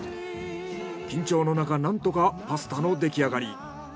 緊張のなかなんとかパスタの出来上がり。